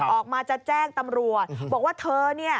ออกมาจะแจ้งตำรวจบอกว่าเธอเนี่ย